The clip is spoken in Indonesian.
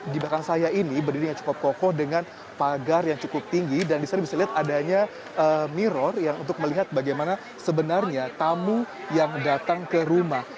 di belakang saya ini berdirinya cukup kokoh dengan pagar yang cukup tinggi dan di sana bisa dilihat adanya mirror yang untuk melihat bagaimana sebenarnya tamu yang datang ke rumah